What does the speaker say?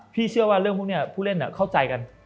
เชื่อว่าเรื่องพวกนี้ผู้เล่นเข้าใจกัน